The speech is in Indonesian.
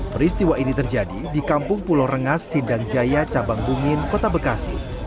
peristiwa ini terjadi di kampung pulau rengas sindang jaya cabang bungin kota bekasi